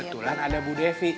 kebetulan ada bu devi